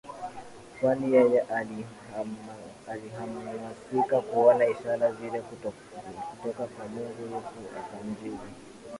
kwani yeye alihamasika kuona ishara zile kutoka kwa Mungu Yesu akamjibu